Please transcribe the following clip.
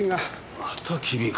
また君か！？